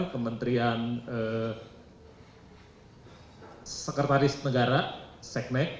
kementerian sekretaris negara sekmek